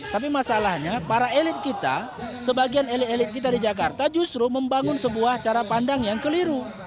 tapi masalahnya para elit kita sebagian elit elit kita di jakarta justru membangun sebuah cara pandang yang keliru